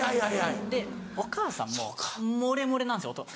でお母さんも漏れ漏れなんですよ音。